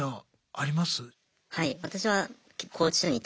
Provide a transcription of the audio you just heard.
はい。